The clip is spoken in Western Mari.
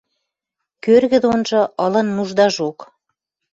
Кӧргӹ донжы ылын нуждажок.